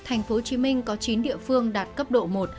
tp hcm có chín địa phương đạt cấp độ một